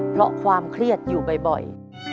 เพราะความเครียดอยู่บ่อย